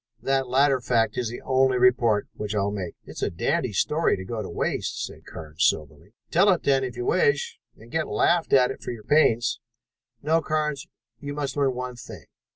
That latter fact is the only report which I will make." "It is a dandy story to go to waste," said Carnes soberly. "Tell it then, if you wish, and get laughed at for your pains. No, Carnes, you must learn one thing.